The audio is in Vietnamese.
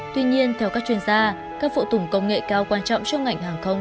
tuy nhiên theo các chuyên gia các phụ tùng công nghệ cao quan trọng trong ngành hàng không